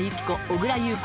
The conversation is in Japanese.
小倉優子。